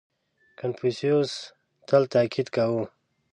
• کنفوسیوس تل تأکید کاوه.